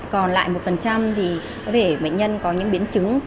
còn lại một thì có thể bệnh nhân có những biến chứng